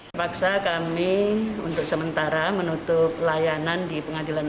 terpaksa kami untuk sementara menutup layanan di pengadilan